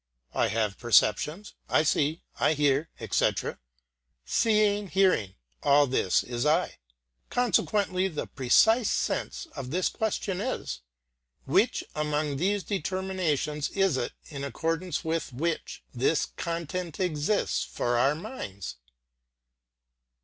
I have perceptions; I see, I hear, etc. Seeing, hearing; all this is I. Consequently, the precise sense of this question is, Which among these determinations is it in accordance with which this content exists for our minds?